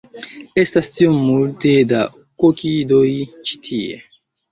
Estas tiom multe da kokidoj ĉi tie